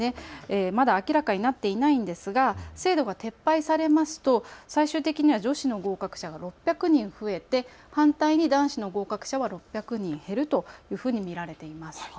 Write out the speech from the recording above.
まだ明らかになっていないんですが制度が撤廃されますと最終的には女子の合格者が６００人増えて反対に男子の合格者が６００人減るというふうに見られています。